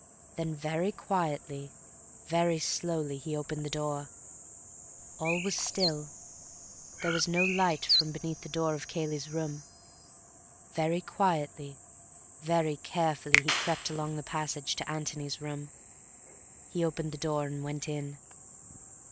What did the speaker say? Then very quietly, very slowly he opened the door. All was still. There was no light from beneath the door of Cayley's room. Very quietly, very carefully he crept along the passage to Antony's room. He opened the door and went in.